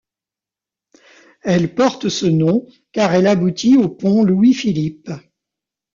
Elle porte ce nom car elle aboutit au pont Louis-Philippe.